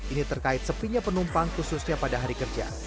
ini terkait sepinya penumpang khususnya pada hari kerja